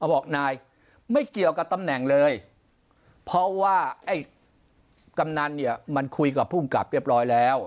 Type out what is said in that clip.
บอกนายไม่เกี่ยวกับตำแหน่งเลยเพราะว่าไอ้กำนันเนี่ยมันคุยกับภูมิกับเรียบร้อยแล้ว